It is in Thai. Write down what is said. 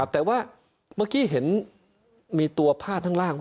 แต่ว่าเมื่อกี้เห็นมีตัวผ้าข้างล่าง